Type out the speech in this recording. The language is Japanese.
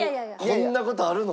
こんな事あるの？